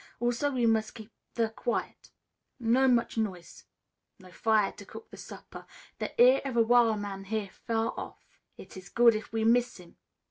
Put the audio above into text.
Also we mus' keep the quiet. No much nois'; no fire to cook the supper. The ear of a wil' man hear far off. It is good if we miss him.